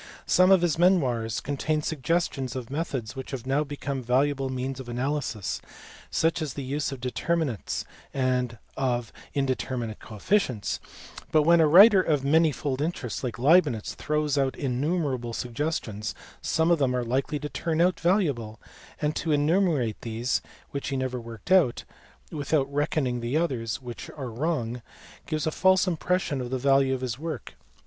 Some of his memoirs contain suggestions of methods which have now become valu able means of analysis, such as the use of determinants and of indeterminate coefficients : but when a writer of manifold interests like Leibnitz throws out innumerable suggestions, some of them are likely to turn out valuable ; and to enumerate these (which he never worked out) without reckoning the others, which are wrong, gives a false impression of the value of his work.